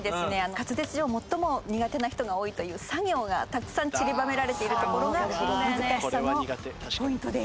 滑舌上最も苦手な人が多いというサ行がたくさんちりばめられているところが難しさのポイントです。